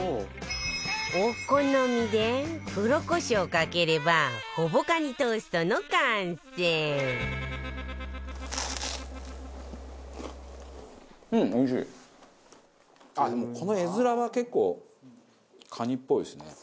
お好みで黒コショウをかければほぼカニトーストの完成でもこの画づらは結構カニっぽいですね。